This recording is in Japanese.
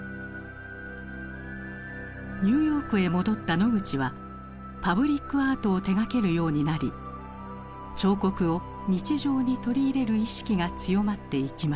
ニューヨークへ戻ったノグチはパブリックアートを手がけるようになり彫刻を日常に取り入れる意識が強まっていきました。